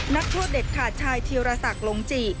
นักโทษเด็ดขาดชายเทียวราษักลงจิ